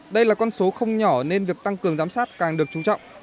đây là con số không nhỏ nên việc tăng cường giám sát càng được trú trọng